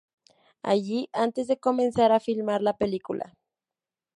Allí, antes de comenzar a filmar la película.